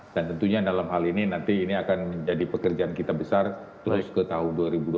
dan tentunya dalam hal ini nanti ini akan menjadi pekerjaan kita besar terus ke tahun dua ribu dua puluh dua